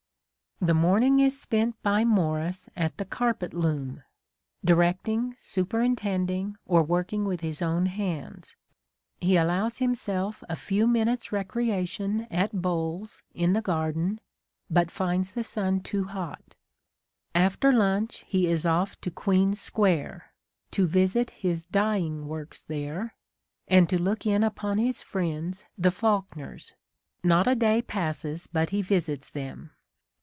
.., The morning is spent by Morris at the carpet loom, — directing, superintending, or working with his own hands. He allows him self a few minutes' recreation at bowls in the garden, but finds the sun too hot. After lunch he is off to Queen's Square, to visit his dyeing works there, and to look in upon his friends the Faulkners : not a day passes but he visits them.